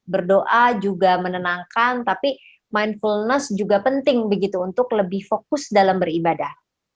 berdoa juga menenangkan tapi mindfulness juga penting begitu untuk lebih fokus dalam beribadah